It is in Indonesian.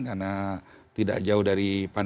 karena tidak jauh dari pandang